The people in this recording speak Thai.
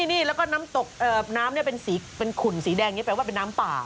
นี่แล้วก็น้ำตกน้ำเป็นขุ่นสีแดงนี้แปลว่าเป็นน้ำป่า